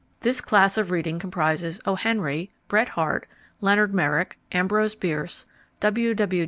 This class of reading comprises O. Henry, Bret Harte, Leonard Merrick, Ambrose Bierce, W. W.